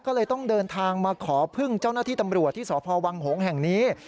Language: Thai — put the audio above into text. ก็เลยต้องเดินทางมาขอพึ่งเจ้าหน้าที่ตำรวจที่สพวังหงษ์แห่งนี้